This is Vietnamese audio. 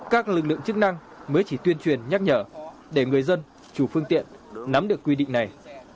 các lực lượng chức năng mới chỉ tuyên truyền nhắc nhở để người dân chủ phương tiện nắm được quy định này